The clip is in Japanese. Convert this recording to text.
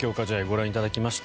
ご覧いただきました。